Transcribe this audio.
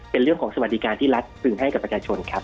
เป็นเรื่องของสวัสดิการที่รัฐพึงให้กับประชาชนครับ